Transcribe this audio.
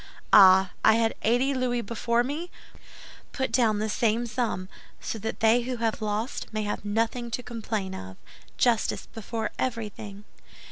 Ah, I had eighty louis before me; put down the same sum, so that they who have lost may have nothing to complain of. Justice before everything."